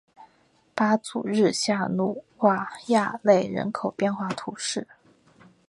巴祖日下努瓦亚勒人口变化图示